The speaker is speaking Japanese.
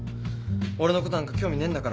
俺のことなんか興味ねえんだから。